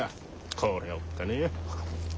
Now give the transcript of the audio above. こりゃおっかねえや。